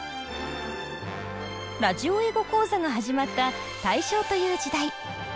「ラジオ英語講座」が始まった大正という時代。